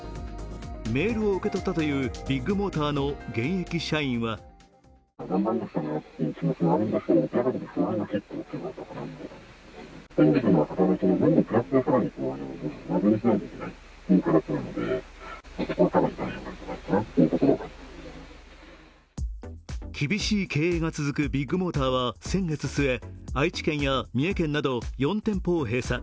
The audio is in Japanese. メールを受け取ったというビッグモーターの現役社員は厳しい経営が続くビッグモーターは先月末、愛知県や三重県など４店舗を閉鎖。